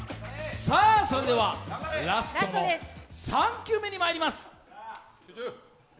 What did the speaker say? それでは、ラストの３球目にまいります。